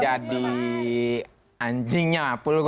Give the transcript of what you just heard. jadi anjingnya pulgo